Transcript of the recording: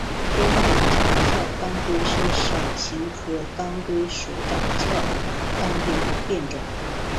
东北长鞘当归是伞形科当归属长鞘当归的变种。